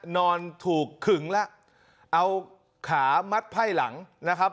นอนถูกขึงแล้วเอาขามัดไพ่หลังนะครับ